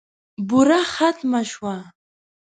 بوره ختمه شوه .